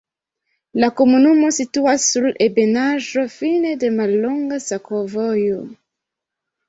La komunumo situas sur ebenaĵo, fine de mallonga sakovojo.